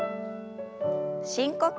深呼吸。